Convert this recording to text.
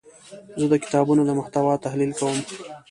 زه د کتابونو د محتوا تحلیل کوم.